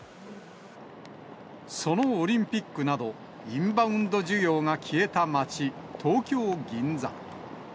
そのオリンピックなど、インバウンド需要が消えた街、東京・銀座。